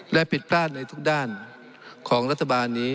และผิดพลาดในทุกด้านของรัฐบาลนี้